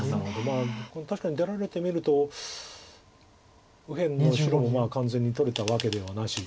これ確かに出られてみると右辺の白も完全に取れたわけではなし。